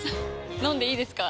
飲んでいいですか？